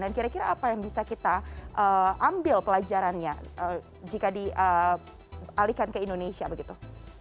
dan kira kira apa yang bisa kita ambil pelajarannya jika dialihkan ke indonesia begitu